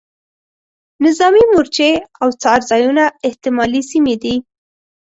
نظامي مورچې او څار ځایونه احتمالي سیمې دي.